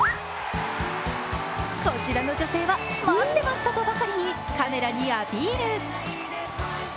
こちらの女性は、待ってましたとばかりにカメラにアピール。